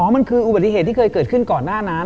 มันคืออุบัติเหตุที่เคยเกิดขึ้นก่อนหน้านั้น